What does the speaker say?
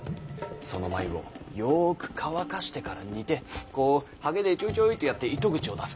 その繭をよぉく乾かしてから煮てこう刷毛でちょいちょいとやって糸口を出す。